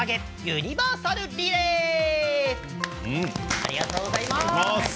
ありがとうございます。